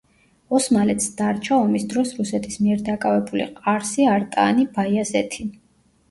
ოსმალეთს დარჩა ომის დროს რუსეთის მიერ დაკავებული ყარსი, არტაანი, ბაიაზეთი.